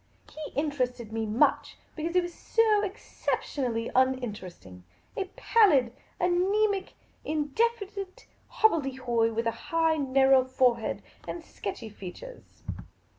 He interested me much — because he was so exception ally uninteresting ; a pallid, anaemic, in definite hobble dehoy, with a high, narrow forehead, and sketchy f e a t ures.